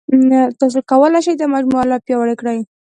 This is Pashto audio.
تاسو کولای شئ دا مجموعه لا پیاوړې کړئ.